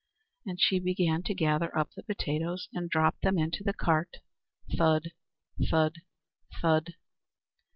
And she began to gather up the potatoes, and drop them into the cart, thud, thud, thud.